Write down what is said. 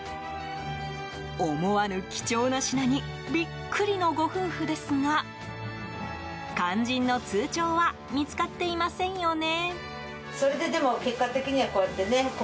思わぬ貴重な品にビックリのご夫婦ですが肝心の通帳は見つかっていませんよね？